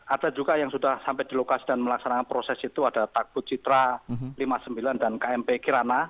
ada juga yang sudah sampai di lokasi dan melaksanakan proses itu ada takbut citra lima puluh sembilan dan kmp kirana